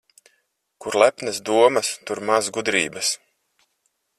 Kur lepnas domas, tur maz gudrības.